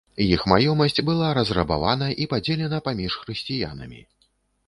Іх маёмасць была разрабавана і падзелена паміж хрысціянамі.